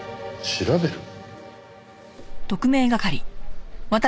調べる？